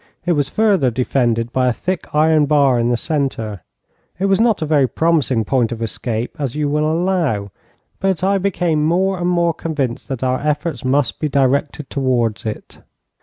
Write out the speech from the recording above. It was further defended by a thick iron bar in the centre. It was not a very promising point of escape, as you will allow, but I became more and more convinced that our efforts must be directed towards it.